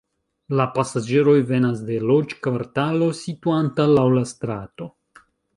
La pasaĝeroj venas de loĝkvartalo situanta laŭ la strato.